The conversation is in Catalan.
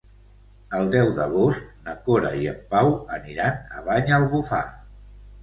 El deu d'agost na Cora i en Pau aniran a Banyalbufar.